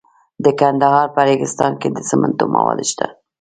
د کندهار په ریګستان کې د سمنټو مواد شته.